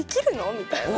みたいな。